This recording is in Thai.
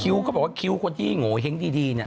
คิ้วเขาบอกว่าคิ้วคนที่โหน่เฮ้งที่ดี